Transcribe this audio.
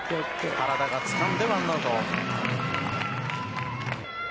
原田がつかんでワンアウト。